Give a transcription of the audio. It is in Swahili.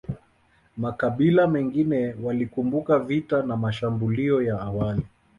Makabila mengine walikumbuka vita na mashambulio ya awali